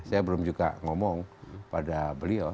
saya belum juga ngomong pada beliau